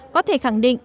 có thể khẳng định